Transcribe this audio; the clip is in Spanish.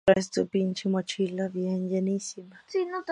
Flores blancas.